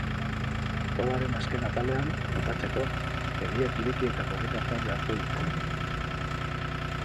Probaren azken atalean, bukatzeko, begiak ireki eta korrika joan beharko dute.